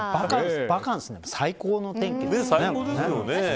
バカンスには最高の天気ですよね。